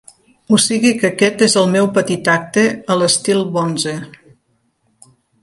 O sigui que aquest és el meu petit acte a l’estil bonze.